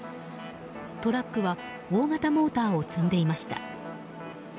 トラックは大型モーターを積んでいました。